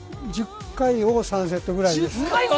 １０回を３セットぐらいです。